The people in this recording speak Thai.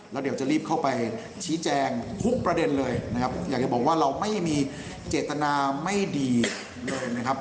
แล้วเดี๋ยวจะรีบเข้าไปชี้แจงทุกประเด็นเลยนะครับอยากจะบอกว่าเราไม่มีเจตนาไม่ดีเลยนะครับ